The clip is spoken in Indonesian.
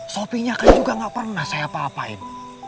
sopinya kan juga gak pernah saya apa apain